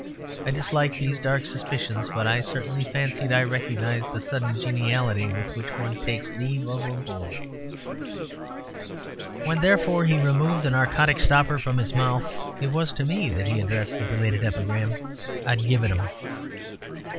I dislike these dark suspicions, but I certainly fancied I recognised the sudden geniality with which one takes leave of a bore. When, therefore, he removed the narcotic stopper from his mouth it was to me that he addressed the belated epigram. "I'd give it 'em."